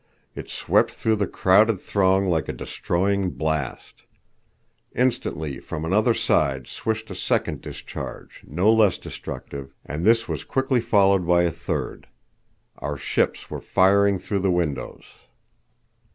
It swept through the crowded throng like a destroying blast. Instantly from another side swished a second discharge, no less destructive, and this was quickly followed by a third. Our ships were firing through the windows.